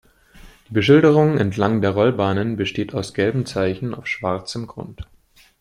Die Beschilderung entlang der Rollbahnen besteht aus gelben Zeichen auf schwarzem Grund.